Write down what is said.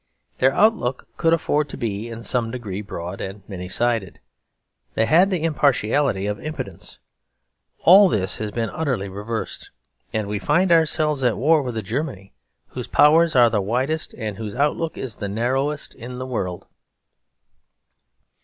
Their outlook could afford to be in some degree broad and many sided. They had the impartiality of impotence. All this has been utterly reversed, and we find ourselves at war with a Germany whose powers are the widest and whose outlook is the narrowest in the world.